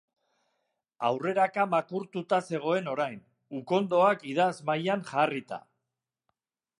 Aurreraka makurtuta zegoen orain, ukondoak idazmahaian jarrita.